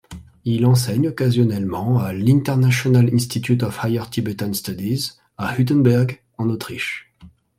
Il enseigne occasionnellement à l'International Institute of Higher Tibetan Studies à Hüttenberg en Autriche.